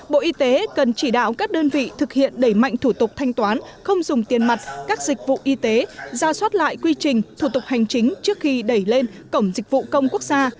bộ y tế cần chỉ đạo các đơn vị thực hiện đẩy mạnh thủ tục thanh toán không dùng tiền mặt các dịch vụ y tế ra soát lại quy trình thủ tục hành chính trước khi đẩy lên cổng dịch vụ công quốc gia